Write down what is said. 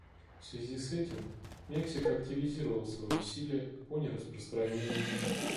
В связи с этим Мексика активизировала свои усилия по нераспространению.